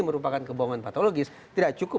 merupakan kebohongan patologis tidak cukup